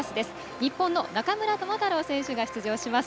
日本の中村智太郎選手が登場します。